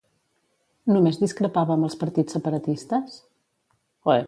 Només discrepava amb els partits separatistes?